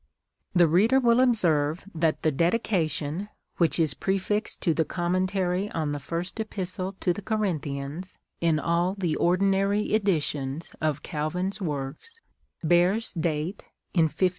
The reader will observe that the Dedication, which is prefixed to the Commentary on the First Ej^istle to the Corinthians in all the ordinaiy editions of Calvin's works, bears date in 1556.